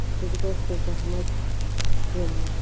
بزګر ته زحمت ژوند دی